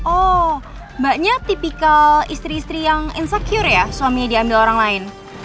oh mbaknya tipikal istri istri yang insecure ya suaminya diambil orang lain